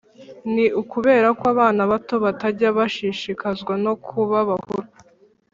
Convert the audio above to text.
Ni ukubera ko abana bato batajya bashishikazwa no kuba bakuru